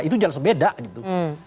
itu jelas beda gitu